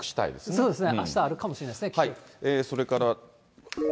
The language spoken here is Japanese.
そうですね、あしたあるかもしれないですね。